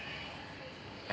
え？